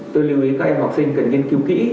tôi lưu ý các em học sinh cần nghiên cứu kỹ